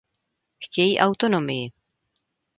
Chtějí autonomii.